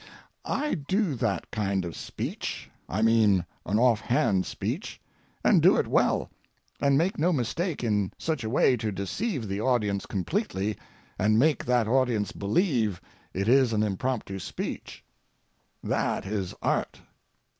I do that kind of speech (I mean an offhand speech), and do it well, and make no mistake in such a way to deceive the audience completely and make that audience believe it is an impromptu speech—that is art.